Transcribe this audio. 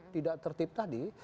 tidak tertip tadi